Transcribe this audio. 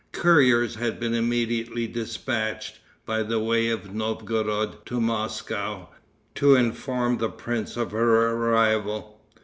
Couriers had been immediately dispatched, by the way of Novgorod, to Moscow, to inform the prince of her arrival.